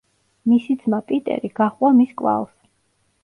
მის ძმა, პიტერი გაჰყვა მის კვალს.